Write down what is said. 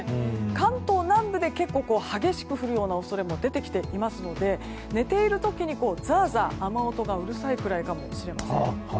関東南部で結構激しく降るような恐れも出てきていますので寝ている時にザーザー雨音がうるさいぐらいかもしれません。